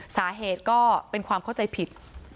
สาเหตุก็เป็นความเข้าใจผิด